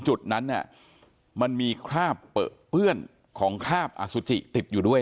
จุดนั้นเนี่ยมันมีคราบเปลื้อนของคราบอสุจิติดอยู่ด้วย